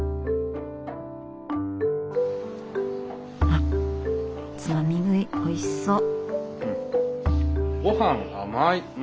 あっつまみ食いおいしそう。